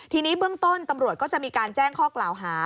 ทีนี้เบื้องต้นตำรวจก็จะมีการแจ้งข้อกล่าวหา